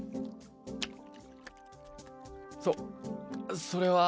そそれは。